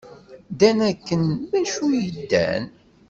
Ddan akken d acu i ddan.